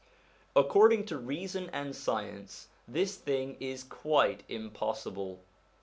According to reason and science this thing is quite impossible.